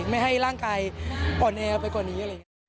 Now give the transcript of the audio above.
ไม่ให้ร่างกายอ่อนแอร์ไปกว่านี้